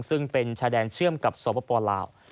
ซึ่งเป็นชายแดนเชื่อมกับสปลาว